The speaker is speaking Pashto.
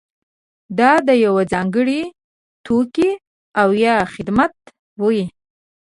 دا د یوه ځانګړي توکي او یا خدمت وي.